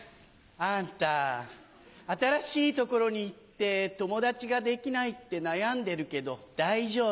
あんた新しいところに行って友達ができないって悩んでるけど大丈夫。